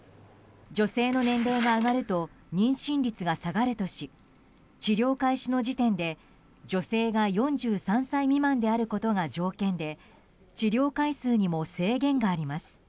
女性の年齢が上がると妊娠率が下がるとし治療開始の時点で女性が４３歳未満であることが条件で治療回数にも制限があります。